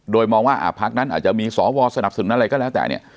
โดยมองว่าพักนั้นอาจจะมีสวสนับสนุนอะไรก็แล้วแต่เนี่ย